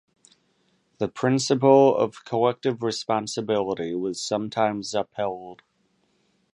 The principle of collective responsibility was sometimes upheld.